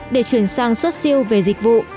để chuyển sang xuất siêu về dịch vụ